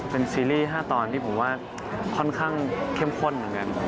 เป็นซีรีส์๕ตอนที่ผมว่าค่อนข้างเข้มข้น